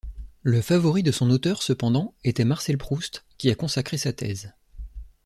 Le favori de son auteur, cependant, était Marcel Proust, qui a consacré sa thèse.